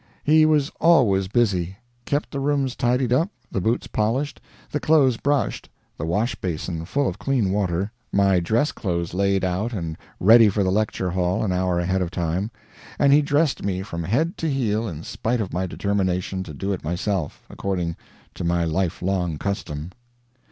He was always busy; kept the rooms tidied up, the boots polished, the clothes brushed, the wash basin full of clean water, my dress clothes laid out and ready for the lecture hall an hour ahead of time; and he dressed me from head to heel in spite of my determination to do it myself, according to my lifelong custom.